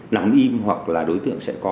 nắm im hoặc là đối tượng sẽ có